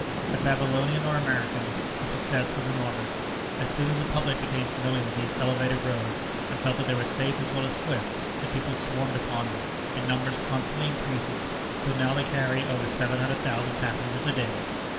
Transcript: But Babylonian or American, the success was enormous. As soon as the public became familiar with these elevated roads, and felt that they were safe as well as swift, the people swarmed upon them, in numbers constantly increasing, till now they carry over seven hundred thousand passengers a day!